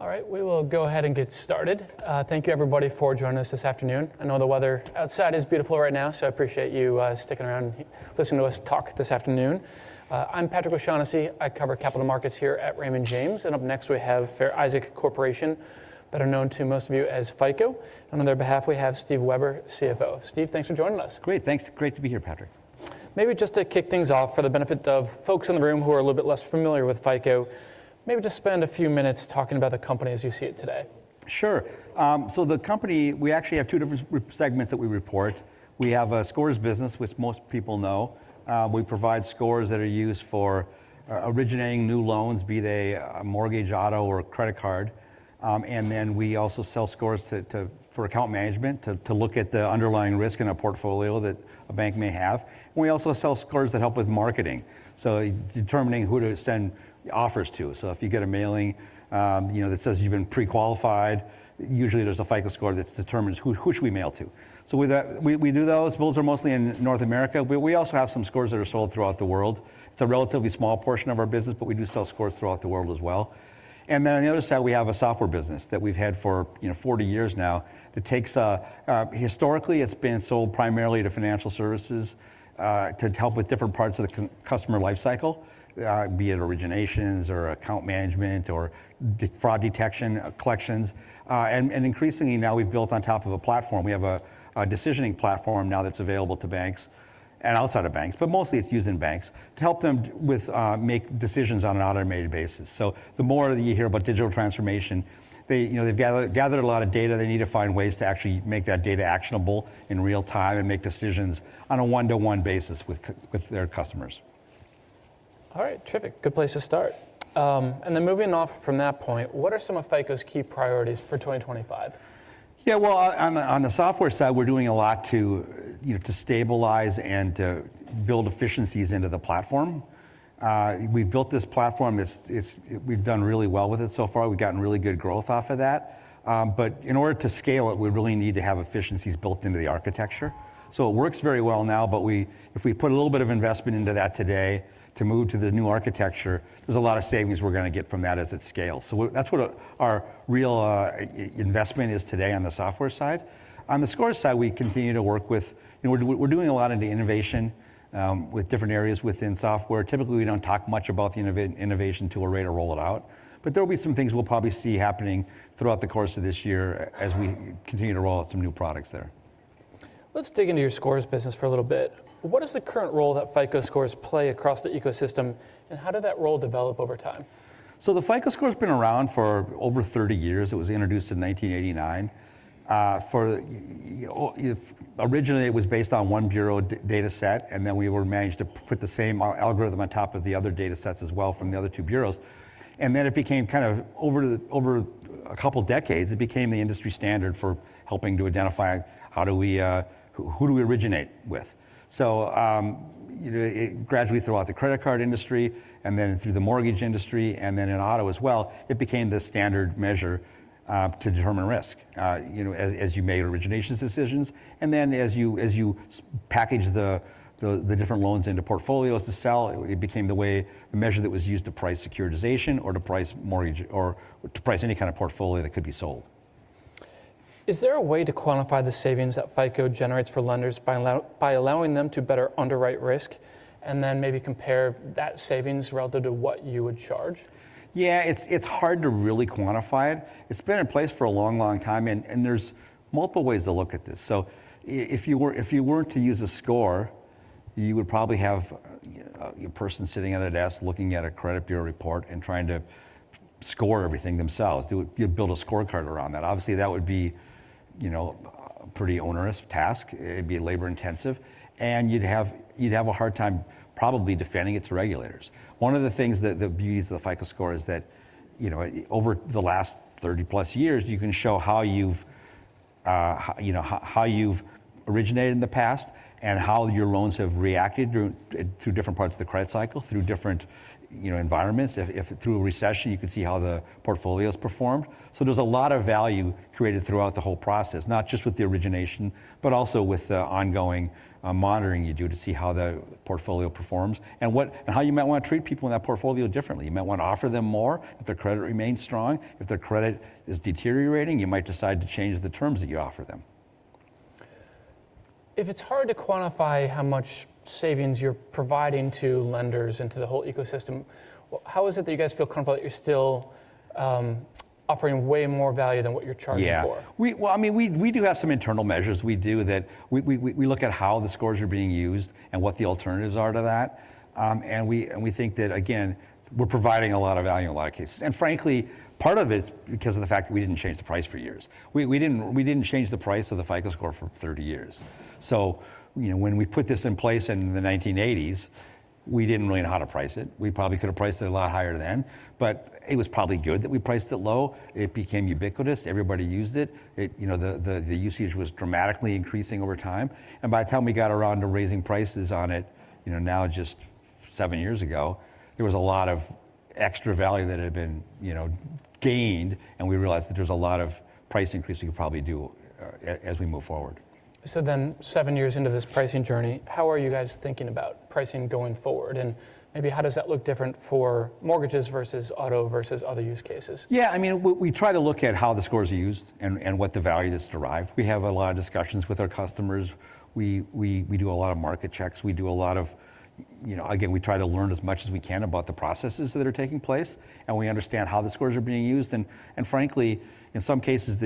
All right, we will go ahead and get started. Thank you, everybody, for joining us this afternoon. I know the weather outside is beautiful right now, so I appreciate you sticking around and listening to us talk this afternoon. I'm Patrick O'Shaughnessy. I cover capital markets here at Raymond James. And up next, we have Fair Isaac Corporation, better known to most of you as FICO. And on their behalf, we have Steve Weber, CFO. Steve, thanks for joining us. Great. Thanks. Great to be here, Patrick. Maybe just to kick things off, for the benefit of folks in the room who are a little bit less familiar with FICO, maybe just spend a few minutes talking about the company as you see it today. Sure. So the company, we actually have two different segments that we report. We have a scores business, which most people know. We provide scores that are used for originating new loans, be they a mortgage, auto, or a credit card. And then we also sell scores for account management to look at the underlying risk in a portfolio that a bank may have. And we also sell scores that help with marketing, so determining who to send offers to. So if you get a mailing that says you've been pre-qualified, usually there's a FICO Score that determines who should we mail to. So we do those. Those are mostly in North America. But we also have some scores that are sold throughout the world. It's a relatively small portion of our business, but we do sell scores throughout the world as well. And then, on the other side, we have a software business that we've had for 40 years now that, historically, it's been sold primarily to financial services to help with different parts of the customer lifecycle, be it originations or account management or fraud detection, collections. And increasingly now, we've built on top of a platform. We have a decisioning platform now that's available to banks and outside of banks, but mostly it's used in banks to help them make decisions on an automated basis. So the more that you hear about digital transformation, they've gathered a lot of data. They need to find ways to actually make that data actionable in real time and make decisions on a one-to-one basis with their customers. All right. Terrific. Good place to start. And then moving off from that point, what are some of FICO's key priorities for 2025? Yeah, well, on the software side, we're doing a lot to stabilize and to build efficiencies into the platform. We've built this platform. We've done really well with it so far. We've gotten really good growth off of that. But in order to scale it, we really need to have efficiencies built into the architecture. So it works very well now, but if we put a little bit of investment into that today to move to the new architecture, there's a lot of savings we're going to get from that as it scales. So that's what our real investment is today on the software side. On the scores side, we're doing a lot in innovation with different areas within software. Typically, we don't talk much about the innovation too early or roll it out. But there will be some things we'll probably see happening throughout the course of this year as we continue to roll out some new products there. Let's dig into your scores business for a little bit. What is the current role that FICO Scores play across the ecosystem, and how did that role develop over time? So the FICO Scores have been around for over 30 years. It was introduced in 1989. Originally, it was based on one bureau data set, and then we were managed to put the same algorithm on top of the other data sets as well from the other two bureaus. And then it became kind of over a couple of decades, it became the industry standard for helping to identify how do we who do we originate with. So gradually throughout the credit card industry, and then through the mortgage industry, and then in auto as well, it became the standard measure to determine risk as you made originations decisions. And then as you packaged the different loans into portfolios to sell, it became the way the measure that was used to price securitization or to price mortgage or to price any kind of portfolio that could be sold. Is there a way to quantify the savings that FICO generates for lenders by allowing them to better underwrite risk and then maybe compare that savings relative to what you would charge? Yeah, it's hard to really quantify it. It's been in place for a long, long time, and there's multiple ways to look at this, so if you weren't to use a score, you would probably have a person sitting at a desk looking at a credit bureau report and trying to score everything themselves. You'd build a scorecard around that. Obviously, that would be a pretty onerous task. It'd be labor-intensive, and you'd have a hard time probably defending it to regulators. One of the things that beauty of the FICO Score is that over the last 30-plus years, you can show how you've originated in the past and how your loans have reacted through different parts of the credit cycle, through different environments. If, through a recession, you can see how the portfolio has performed. So there's a lot of value created throughout the whole process, not just with the origination, but also with the ongoing monitoring you do to see how the portfolio performs and how you might want to treat people in that portfolio differently. You might want to offer them more if their credit remains strong. If their credit is deteriorating, you might decide to change the terms that you offer them. If it's hard to quantify how much savings you're providing to lenders and to the whole ecosystem, how is it that you guys feel comfortable that you're still offering way more value than what you're charging for? Yeah. Well, I mean, we do have some internal measures. We do that. We look at how the scores are being used and what the alternatives are to that. And we think that, again, we're providing a lot of value in a lot of cases. And frankly, part of it's because of the fact that we didn't change the price for years. We didn't change the price of the FICO Score for 30 years. So when we put this in place in the 1980s, we didn't really know how to price it. We probably could have priced it a lot higher then, but it was probably good that we priced it low. It became ubiquitous. Everybody used it. The usage was dramatically increasing over time. By the time we got around to raising prices on it, now just seven years ago, there was a lot of extra value that had been gained. We realized that there's a lot of price increase we could probably do as we move forward. So then seven years into this pricing journey, how are you guys thinking about pricing going forward? And maybe how does that look different for mortgages versus auto versus other use cases? Yeah, I mean, we try to look at how the scores are used and what the value that's derived. We have a lot of discussions with our customers. We do a lot of market checks. We do a lot of, again, we try to learn as much as we can about the processes that are taking place. And we understand how the scores are being used. And frankly, in some cases,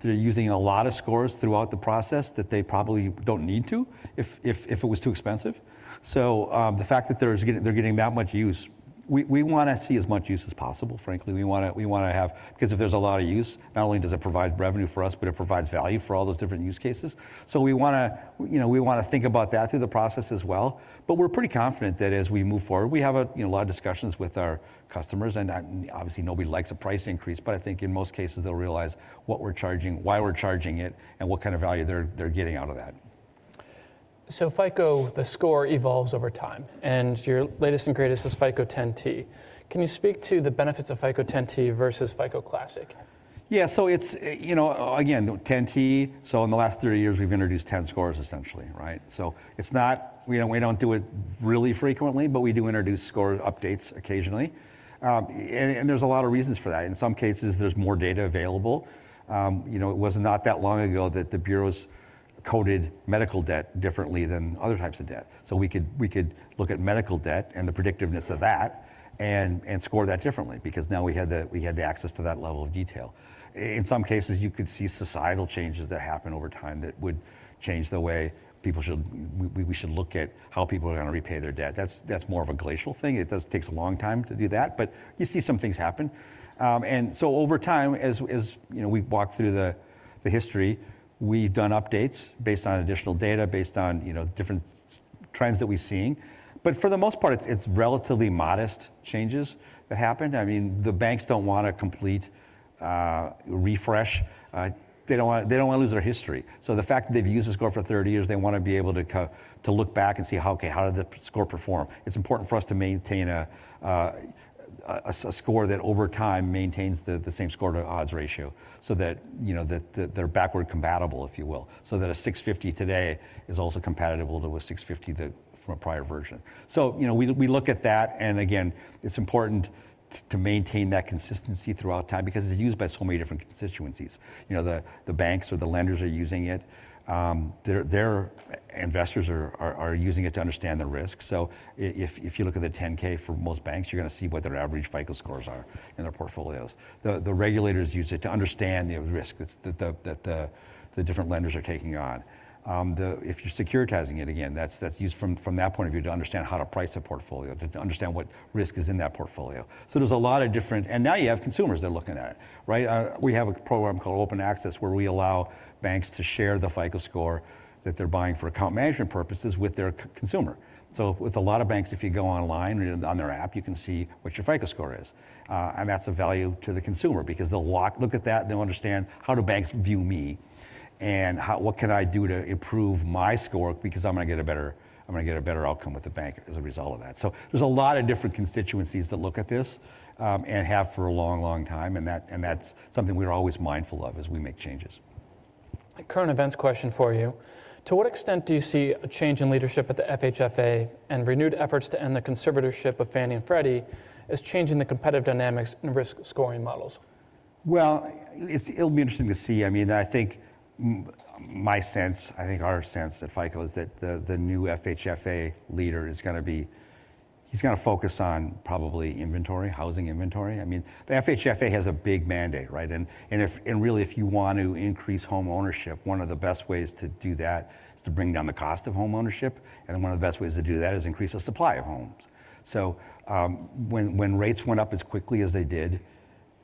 they're using a lot of scores throughout the process that they probably don't need to if it was too expensive. So the fact that they're getting that much use, we want to see as much use as possible. Frankly, we want to have because if there's a lot of use, not only does it provide revenue for us, but it provides value for all those different use cases. So we want to think about that through the process as well. But we're pretty confident that as we move forward, we have a lot of discussions with our customers. And obviously, nobody likes a price increase. But I think in most cases, they'll realize what we're charging, why we're charging it, and what kind of value they're getting out of that. FICO, the score evolves over time. Your latest and greatest is FICO 10T. Can you speak to the benefits of FICO 10T versus FICO Classic? Yeah, so it's again FICO 10T. So in the last 30 years, we've introduced 10 scores, essentially, right? So we don't do it really frequently, but we do introduce score updates occasionally. And there's a lot of reasons for that. In some cases, there's more data available. It was not that long ago that the bureaus coded medical debt differently than other types of debt. So we could look at medical debt and the predictiveness of that and score that differently because now we had the access to that level of detail. In some cases, you could see societal changes that happen over time that would change the way we should look at how people are going to repay their debt. That's more of a glacial thing. It takes a long time to do that, but you see some things happen. Over time, as we walk through the history, we've done updates based on additional data, based on different trends that we're seeing. But for the most part, it's relatively modest changes that happen. I mean, the banks don't want a complete refresh. They don't want to lose their history. So the fact that they've used the score for 30 years, they want to be able to look back and see, okay, how did the score perform? It's important for us to maintain a score that over time maintains the same score-to-odds ratio so that they're backward compatible, if you will, so that a 650 today is also compatible with a 650 from a prior version. So we look at that. And again, it's important to maintain that consistency throughout time because it's used by so many different constituencies. The banks or the lenders are using it. Their investors are using it to understand the risk. So if you look at the 10-K for most banks, you're going to see what their average FICO Scores are in their portfolios. The regulators use it to understand the risk that the different lenders are taking on. If you're securitizing it, again, that's used from that point of view to understand how to price a portfolio, to understand what risk is in that portfolio. So there's a lot of different and now you have consumers that are looking at it, right? We have a program called Open Access where we allow banks to share the FICO Score that they're buying for account management purposes with their consumer. So with a lot of banks, if you go online on their app, you can see what your FICO Score is. That's a value to the consumer because they'll look at that and they'll understand how do banks view me and what can I do to improve my score because I'm going to get a better outcome with the bank as a result of that. There's a lot of different constituencies that look at this and have for a long, long time. That's something we're always mindful of as we make changes. Current events question for you. To what extent do you see a change in leadership at the FHFA and renewed efforts to end the conservatorship of Fannie and Freddie as changing the competitive dynamics and risk scoring models? It'll be interesting to see. I mean, I think my sense, I think our sense at FICO is that the new FHFA leader is going to be. He's going to focus on probably inventory, housing inventory. I mean, the FHFA has a big mandate, right? Really, if you want to increase homeownership, one of the best ways to do that is to bring down the cost of homeownership. One of the best ways to do that is increase the supply of homes. When rates went up as quickly as they did,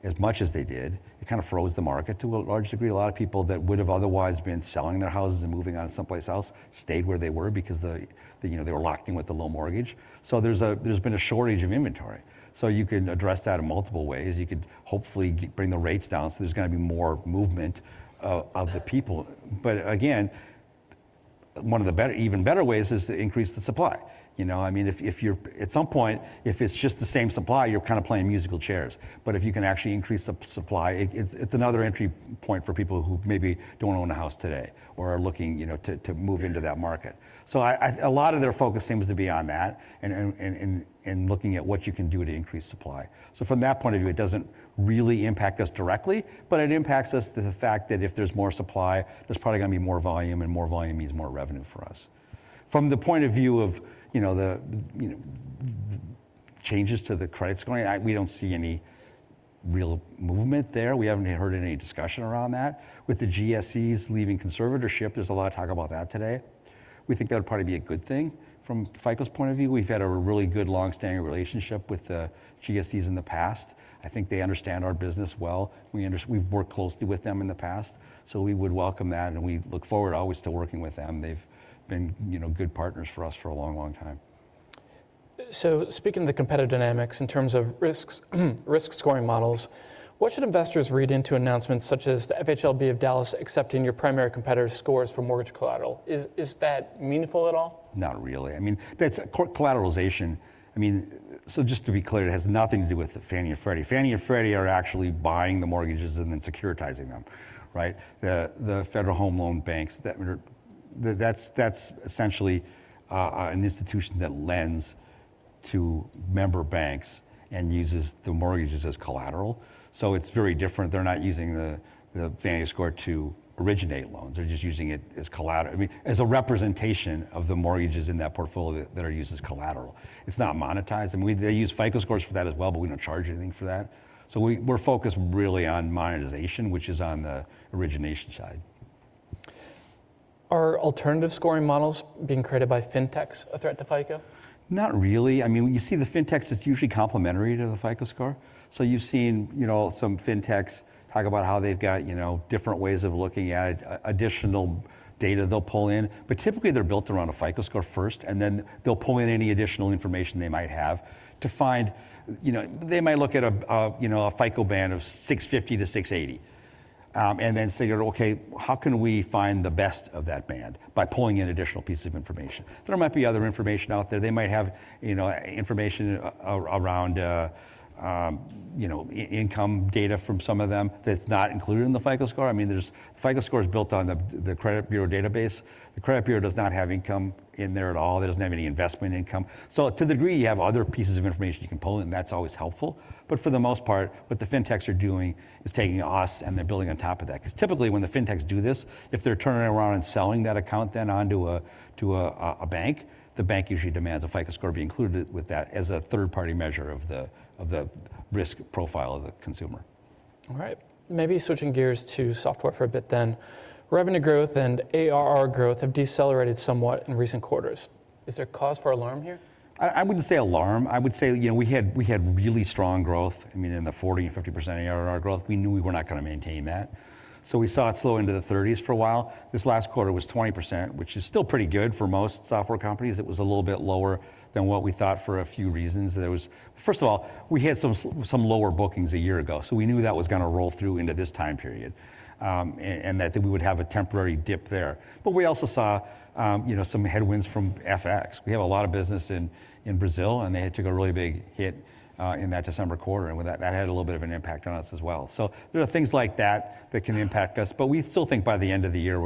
as much as they did, it kind of froze the market to a large degree. A lot of people that would have otherwise been selling their houses and moving on someplace else stayed where they were because they were locked in with the low mortgage. There's been a shortage of inventory. So you can address that in multiple ways. You could hopefully bring the rates down so there's going to be more movement of the people. But again, one of the better, even better ways is to increase the supply. I mean, if you're at some point, if it's just the same supply, you're kind of playing musical chairs. But if you can actually increase the supply, it's another entry point for people who maybe don't own a house today or are looking to move into that market. So a lot of their focus seems to be on that and looking at what you can do to increase supply. So from that point of view, it doesn't really impact us directly, but it impacts us the fact that if there's more supply, there's probably going to be more volume, and more volume means more revenue for us. From the point of view of the changes to the credit scoring, we don't see any real movement there. We haven't heard any discussion around that. With the GSEs leaving conservatorship, there's a lot of talk about that today. We think that would probably be a good thing. From FICO's point of view, we've had a really good longstanding relationship with the GSEs in the past. I think they understand our business well. We've worked closely with them in the past. So we would welcome that. And we look forward always to working with them. They've been good partners for us for a long, long time. Speaking of the competitive dynamics in terms of risk scoring models, what should investors read into announcements such as the FHLB of Dallas accepting your primary competitor scores for mortgage collateral? Is that meaningful at all? Not really. I mean, that's collateralization. I mean, just to be clear, it has nothing to do with Fannie and Freddie. Fannie and Freddie are actually buying the mortgages and then securitizing them, right? The Federal Home Loan Banks, that's essentially an institution that lends to member banks and uses the mortgages as collateral. It is very different. They are not using the Fannie score to originate loans. They are just using it as collateral, I mean, as a representation of the mortgages in that portfolio that are used as collateral. It is not monetized. I mean, they use FICO Scores for that as well, but we do not charge anything for that. We are focused really on monetization, which is on the origination side. Are alternative scoring models being created by fintechs a threat to FICO? Not really. I mean, you see the fintechs. It's usually complementary to the FICO Score. So you've seen some fintechs talk about how they've got different ways of looking at it, additional data they'll pull in. But typically, they're built around a FICO Score first, and then they'll pull in any additional information they might have to find. They might look at a FICO band of 650-680 and then say, "Okay, how can we find the best of that band by pulling in additional pieces of information?" There might be other information out there. They might have information around income data from some of them that's not included in the FICO Score. I mean, the FICO Score is built on the credit bureau database. The credit bureau does not have income in there at all. There doesn't have any investment income. To the degree you have other pieces of information you can pull in, that's always helpful. For the most part, what the fintechs are doing is taking us and they're building on top of that. Because typically, when the fintechs do this, if they're turning around and selling that account then onto a bank, the bank usually demands a FICO score be included with that as a third-party measure of the risk profile of the consumer. All right. Maybe switching gears to software for a bit then. Revenue growth and ARR growth have decelerated somewhat in recent quarters. Is there cause for alarm here? I wouldn't say alarm. I would say we had really strong growth, I mean, in the 40% and 50% ARR growth. We knew we were not going to maintain that. We saw it slow into the 30%s for a while. This last quarter was 20%, which is still pretty good for most software companies. It was a little bit lower than what we thought for a few reasons. First of all, we had some lower bookings a year ago. We knew that was going to roll through into this time period and that we would have a temporary dip there. We also saw some headwinds from FX. We have a lot of business in Brazil, and they took a really big hit in that December quarter. That had a little bit of an impact on us as well. There are things like that that can impact us. We still think by the end of the year,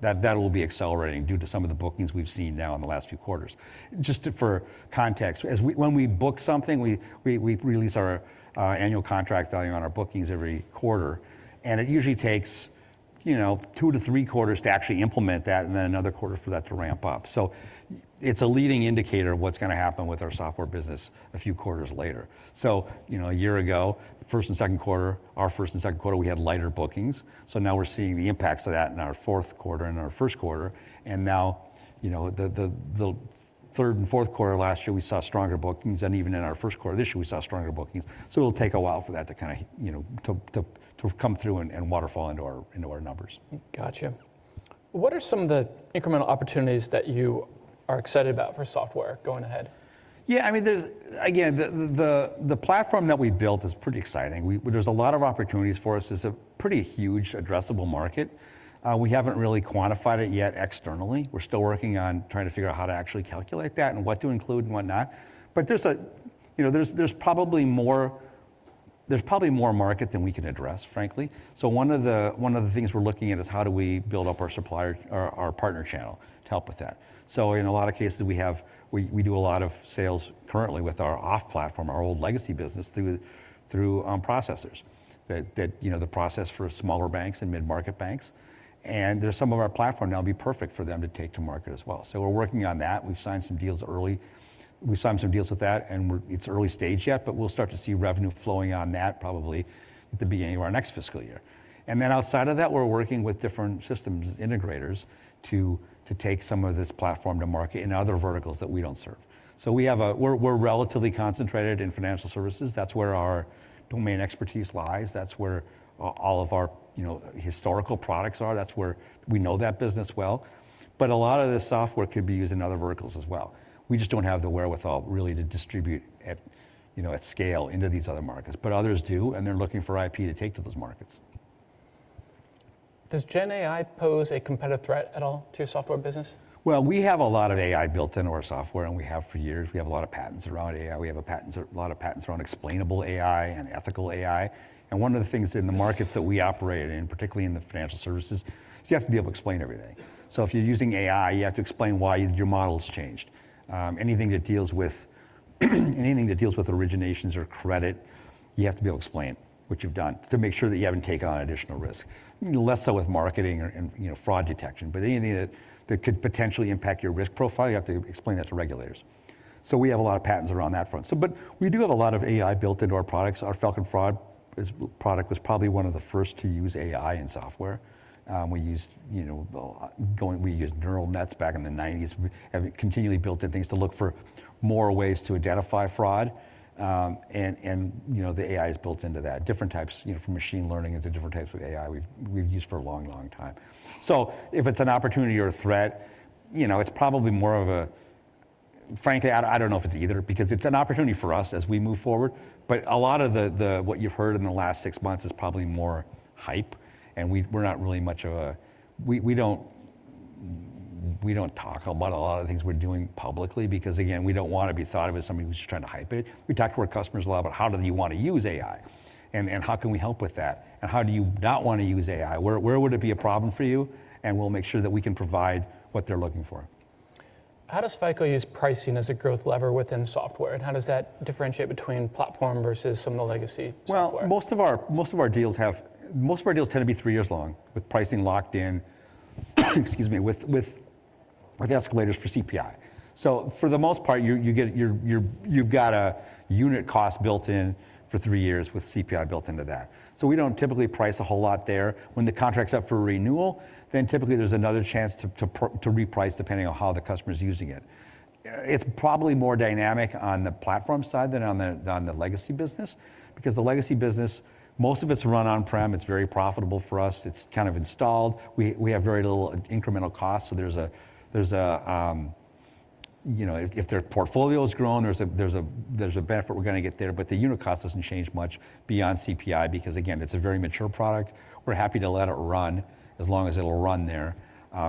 that will be accelerating due to some of the bookings we've seen now in the last few quarters. Just for context, when we book something, we release our annual contract value on our bookings every quarter. It usually takes two to three quarters to actually implement that and then another quarter for that to ramp up. It is a leading indicator of what's going to happen with our software business a few quarters later. A year ago, first and second quarter, our first and second quarter, we had lighter bookings. Now we're seeing the impacts of that in our fourth quarter and our first quarter. Now the third and fourth quarter last year, we saw stronger bookings. Even in our first quarter this year, we saw stronger bookings. It will take a while for that to kind of come through and waterfall into our numbers. Gotcha. What are some of the incremental opportunities that you are excited about for software going ahead? Yeah, I mean, again, the platform that we built is pretty exciting. There's a lot of opportunities for us. It's a pretty huge addressable market. We haven't really quantified it yet externally. We're still working on trying to figure out how to actually calculate that and what to include and whatnot. There's probably more market than we can address, frankly. One of the things we're looking at is how do we build up our partner channel to help with that. In a lot of cases, we do a lot of sales currently with our off platform, our old legacy business through processors that process for smaller banks and mid-market banks. Some of our platform now will be perfect for them to take to market as well. We're working on that. We've signed some deals early. We've signed some deals with that. It is early stage yet, but we will start to see revenue flowing on that probably at the beginning of our next fiscal year. Outside of that, we are working with different systems integrators to take some of this platform to market in other verticals that we do not serve. We are relatively concentrated in financial services. That is where our domain expertise lies. That is where all of our historical products are. That is where we know that business well. A lot of this software could be used in other verticals as well. We just do not have the wherewithal really to distribute at scale into these other markets. Others do, and they are looking for IP to take to those markets. Does GenAI pose a competitive threat at all to your software business? We have a lot of AI built into our software, and we have for years. We have a lot of patents around AI. We have a lot of patents around explainable AI and ethical AI. One of the things in the markets that we operate in, particularly in the financial services, is you have to be able to explain everything. If you're using AI, you have to explain why your model's changed. Anything that deals with originations or credit, you have to be able to explain what you've done to make sure that you haven't taken on additional risk. Less so with marketing and fraud detection. Anything that could potentially impact your risk profile, you have to explain that to regulators. We have a lot of patents around that front. We do have a lot of AI built into our products. Our Falcon Fraud product was probably one of the first to use AI in software. We used neural nets back in the 1990s, continually built in things to look for more ways to identify fraud. The AI is built into that. Different types from machine learning into different types of AI we've used for a long, long time. If it's an opportunity or a threat, it's probably more of a, frankly, I don't know if it's either because it's an opportunity for us as we move forward. A lot of what you've heard in the last six months is probably more hype. We're not really much of a, we don't talk about a lot of the things we're doing publicly because, again, we don't want to be thought of as somebody who's trying to hype it. We talk to our customers a lot about how do they want to use AI and how can we help with that and how do you not want to use AI. Where would it be a problem for you? We will make sure that we can provide what they're looking for. How does FICO use pricing as a growth lever within software? How does that differentiate between platform versus some of the legacy software? Most of our deals tend to be three years long with pricing locked in, excuse me, with escalators for CPI. For the most part, you've got a unit cost built in for three years with CPI built into that. We don't typically price a whole lot there. When the contract's up for renewal, typically there's another chance to reprice depending on how the customer's using it. It's probably more dynamic on the platform side than on the legacy business because the legacy business, most of it's run on-prem. It's very profitable for us. It's kind of installed. We have very little incremental costs. If their portfolio has grown, there's a benefit we're going to get there. The unit cost doesn't change much beyond CPI because, again, it's a very mature product. We're happy to let it run as long as it'll run there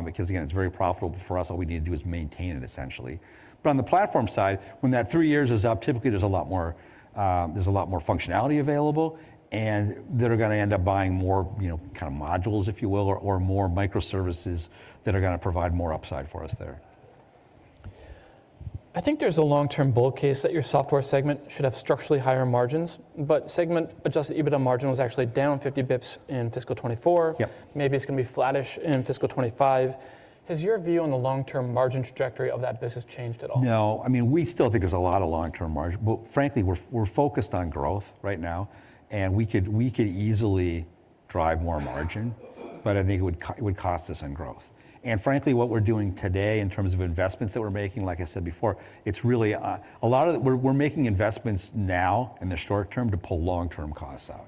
because, again, it's very profitable for us. All we need to do is maintain it, essentially. On the platform side, when that three years is up, typically there's a lot more functionality available. They're going to end up buying more kind of modules, if you will, or more microservices that are going to provide more upside for us there. I think there's a long-term bull case that your software segment should have structurally higher margins. But segment adjusted EBITDA margin was actually down 50 basis points in fiscal 2024. Maybe it's going to be flattish in fiscal 2025. Has your view on the long-term margin trajectory of that business changed at all? No. I mean, we still think there's a lot of long-term margin. Frankly, we're focused on growth right now. We could easily drive more margin. I think it would cost us in growth. Frankly, what we're doing today in terms of investments that we're making, like I said before, it's really a lot of we're making investments now in the short term to pull long-term costs out.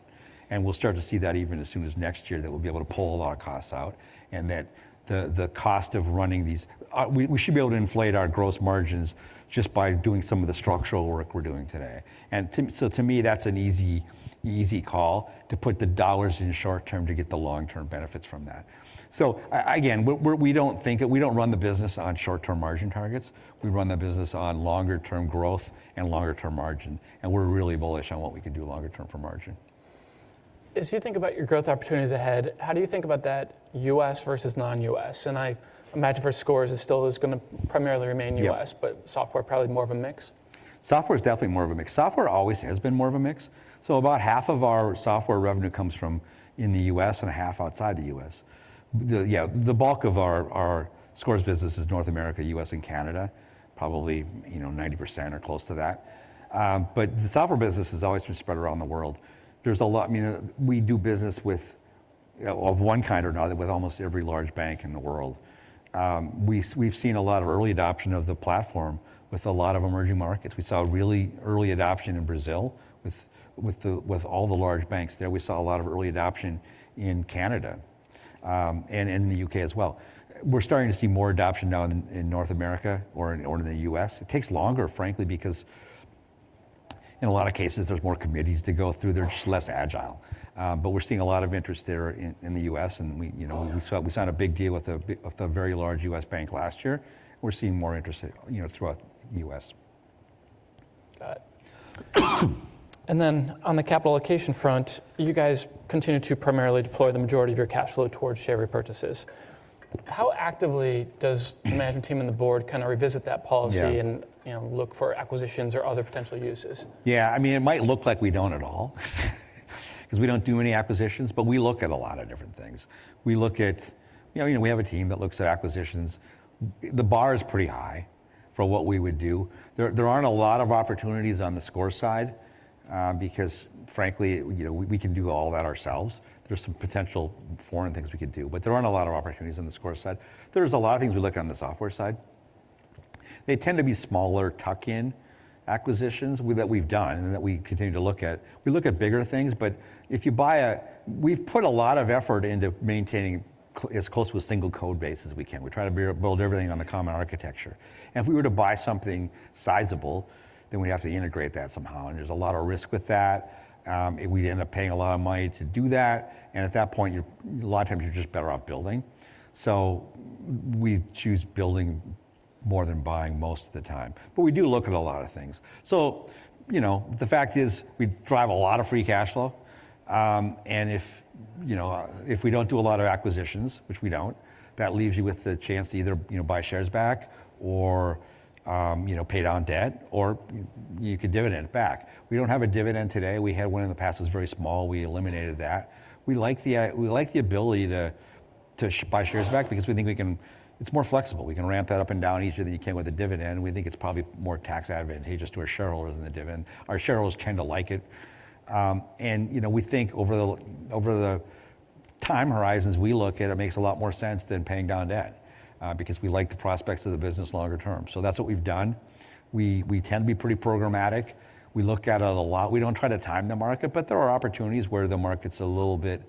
We'll start to see that even as soon as next year that we'll be able to pull a lot of costs out and that the cost of running these we should be able to inflate our gross margins just by doing some of the structural work we're doing today. To me, that's an easy call to put the dollars in short term to get the long-term benefits from that. Again, we don't think we don't run the business on short-term margin targets. We run the business on longer-term growth and longer-term margin. And we're really bullish on what we can do longer-term for margin. As you think about your growth opportunities ahead, how do you think about that US versus non-US? I imagine for scores, it still is going to primarily remain US, but software probably more of a mix? Software is definitely more of a mix. Software always has been more of a mix. About half of our software revenue comes from in the U.S. and half outside the U.S. Yeah, the bulk of our scores business is North America, U.S., and Canada, probably 90% or close to that. The software business has always been spread around the world. There's a lot, I mean, we do business of one kind or another with almost every large bank in the world. We've seen a lot of early adoption of the platform with a lot of emerging markets. We saw really early adoption in Brazil with all the large banks there. We saw a lot of early adoption in Canada and in the U.K. as well. We're starting to see more adoption now in North America or in the U.S. It takes longer, frankly, because in a lot of cases, there's more committees to go through. They're just less agile. We are seeing a lot of interest there in the U.S. We signed a big deal with a very large U.S. bank last year. We are seeing more interest throughout the U.S. Got it. On the capital allocation front, you guys continue to primarily deploy the majority of your cash flow towards share repurchases. How actively does the management team and the board kind of revisit that policy and look for acquisitions or other potential uses? Yeah. I mean, it might look like we don't at all because we don't do any acquisitions. But we look at a lot of different things. We look at we have a team that looks at acquisitions. The bar is pretty high for what we would do. There aren't a lot of opportunities on the score side because, frankly, we can do all that ourselves. There's some potential foreign things we could do. But there aren't a lot of opportunities on the score side. There's a lot of things we look at on the software side. They tend to be smaller tuck-in acquisitions that we've done and that we continue to look at. We look at bigger things. But if you buy a we've put a lot of effort into maintaining as close to a single code base as we can. We try to build everything on the common architecture. If we were to buy something sizable, then we'd have to integrate that somehow. There is a lot of risk with that. We'd end up paying a lot of money to do that. At that point, a lot of times, you're just better off building. We choose building more than buying most of the time. We do look at a lot of things. The fact is we drive a lot of free cash flow. If we do not do a lot of acquisitions, which we do not, that leaves you with the chance to either buy shares back or pay down debt or you could dividend it back. We do not have a dividend today. We had one in the past. It was very small. We eliminated that. We like the ability to buy shares back because we think it is more flexible. We can ramp that up and down easier than you can with a dividend. We think it's probably more tax advantageous to our shareholders than the dividend. Our shareholders tend to like it. We think over the time horizons we look at, it makes a lot more sense than paying down debt because we like the prospects of the business longer term. That's what we've done. We tend to be pretty programmatic. We look at it a lot. We don't try to time the market. There are opportunities where the market's a little bit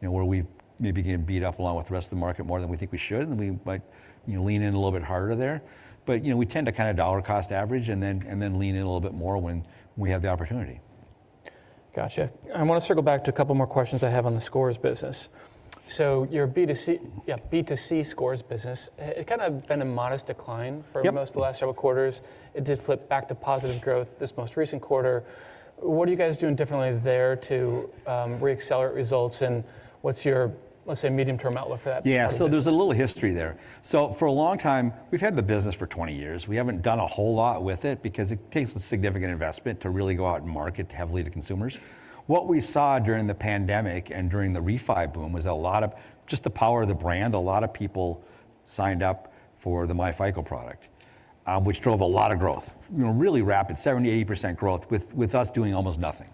where we maybe get beat up along with the rest of the market more than we think we should. We might lean in a little bit harder there. We tend to kind of dollar cost average and then lean in a little bit more when we have the opportunity. Gotcha. I want to circle back to a couple more questions I have on the scores business. So your B2C scores business, it kind of been a modest decline for most of the last several quarters. It did flip back to positive growth this most recent quarter. What are you guys doing differently there to reaccelerate results? And what's your, let's say, medium-term outlook for that? Yeah. So there's a little history there. For a long time, we've had the business for 20 years. We haven't done a whole lot with it because it takes a significant investment to really go out and market heavily to consumers. What we saw during the pandemic and during the refi boom was a lot of just the power of the brand. A lot of people signed up for the myFICO product, which drove a lot of growth, really rapid, 70%-80% growth with us doing almost nothing.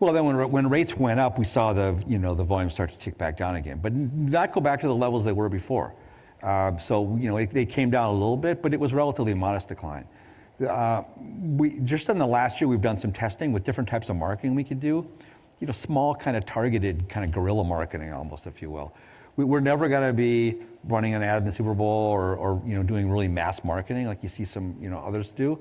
When rates went up, we saw the volume start to tick back down again. Not go back to the levels they were before. They came down a little bit, but it was a relatively modest decline. Just in the last year, we've done some testing with different types of marketing we could do, small kind of targeted kind of guerrilla marketing almost, if you will. We're never going to be running an ad in the Super Bowl or doing really mass marketing like you see some others do.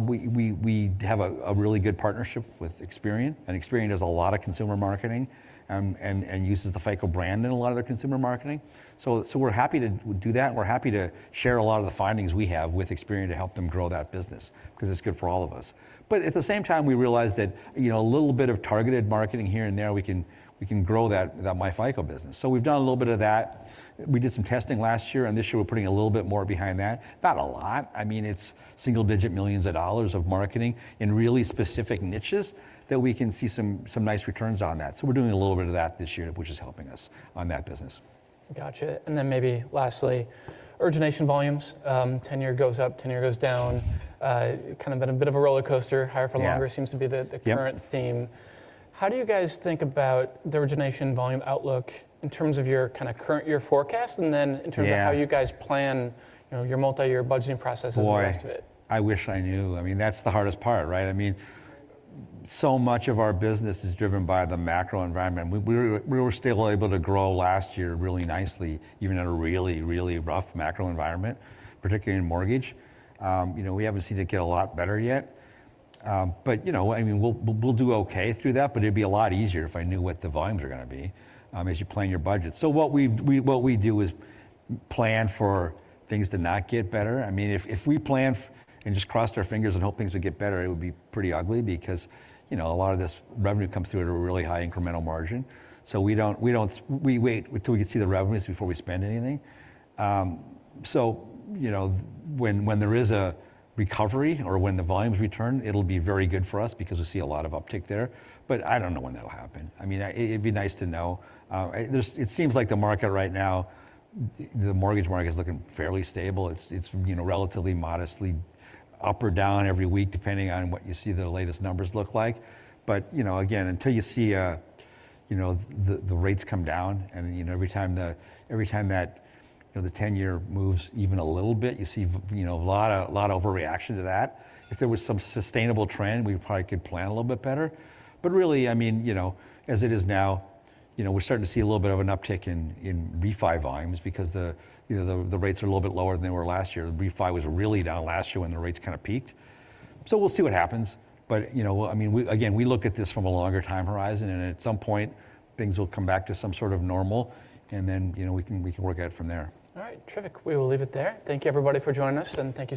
We have a really good partnership with Experian. Experian does a lot of consumer marketing and uses the FICO brand in a lot of their consumer marketing. We're happy to do that. We're happy to share a lot of the findings we have with Experian to help them grow that business because it's good for all of us. At the same time, we realized that a little bit of targeted marketing here and there, we can grow that myFICO business. We've done a little bit of that. We did some testing last year. This year, we're putting a little bit more behind that. Not a lot. I mean, it's single-digit millions of dollars of marketing in really specific niches that we can see some nice returns on that. We're doing a little bit of that this year, which is helping us on that business. Gotcha. Maybe lastly, origination volumes. Ten-year goes up, 10-year goes down, kind of been a bit of a roller coaster. Higher for longer seems to be the current theme. How do you guys think about the origination volume outlook in terms of your kind of current year forecast and then in terms of how you guys plan your multi-year budgeting processes and the rest of it? Boy, I wish I knew. I mean, that's the hardest part, right? I mean, so much of our business is driven by the macro environment. We were still able to grow last year really nicely, even in a really, really rough macro environment, particularly in mortgage. We haven't seen it get a lot better yet. I mean, we'll do okay through that. It'd be a lot easier if I knew what the volumes are going to be as you plan your budget. What we do is plan for things to not get better. I mean, if we plan and just crossed our fingers and hoped things would get better, it would be pretty ugly because a lot of this revenue comes through at a really high incremental margin. We wait until we can see the revenues before we spend anything. When there is a recovery or when the volumes return, it'll be very good for us because we see a lot of uptick there. I don't know when that'll happen. I mean, it'd be nice to know. It seems like the market right now, the mortgage market is looking fairly stable. It's relatively modestly up or down every week, depending on what you see the latest numbers look like. Again, until you see the rates come down and every time that the 10-year moves even a little bit, you see a lot of overreaction to that. If there was some sustainable trend, we probably could plan a little bit better. Really, I mean, as it is now, we're starting to see a little bit of an uptick in refi volumes because the rates are a little bit lower than they were last year. The refi was really down last year when the rates kind of peaked. We will see what happens. I mean, again, we look at this from a longer time horizon. At some point, things will come back to some sort of normal. Then we can work at it from there. All right. Terrific. We will leave it there. Thank you, everybody, for joining us. Thank you.